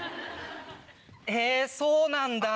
へぇそうなんだ。